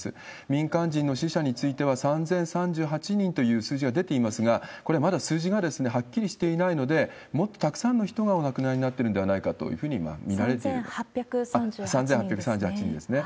民間人の死者については３０３８人という数字が出ていますが、これ、まだ数字がはっきりしていないので、もっとたくさんの人がお亡くなりになっているんじゃないかと見て３８３８人ですね。